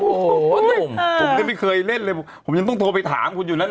ผมก็ไม่เคยเล่นเลยผมยังต้องโทรไปถามคุณอยู่นั้น